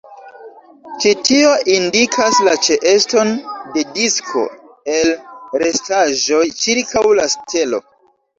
Ĉi tio indikas la ĉeeston de disko el restaĵoj ĉirkaŭ la stelo.